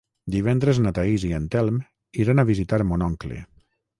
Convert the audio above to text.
Divendres na Thaís i en Telm iran a visitar mon oncle.